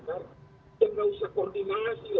kalau kita koordinasi sama orang al quran sudah memerintahkan kita